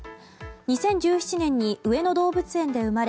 ２０１７年に上野動物園で生まれ